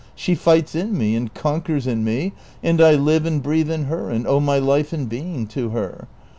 She tights in nie and conquers in me, and I live and breathe in her, and owe my life and being to her.